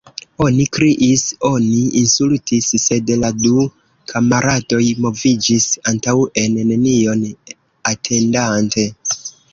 Oni kriis, oni insultis, sed la du kamaradoj moviĝis antaŭen, nenion atentante.